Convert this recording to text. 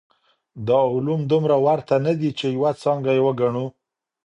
دا علوم دومره ورته نه دي چي يوه څانګه يې وګڼو.